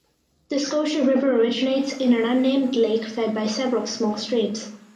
The Scotia River originates in an unnamed lake fed by several small streams.